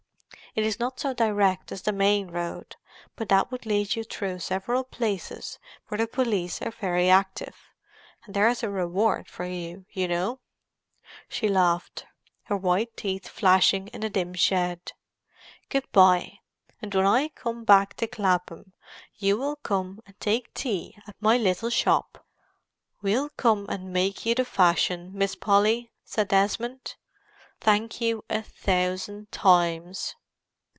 It is not so direct as the main road, but that would lead you through several places where the police are very active—and there is a reward for you, you know!" She laughed, her white teeth flashing in the dim shed. "Good bye; and when I come back to Clapham you will come and take tea at my little shop." "We'll come and make you the fashion, Miss Polly," said Desmond. "Thank you a thousand times."